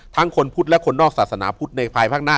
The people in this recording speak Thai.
คนพุทธและคนนอกศาสนาพุทธในภายภาคหน้า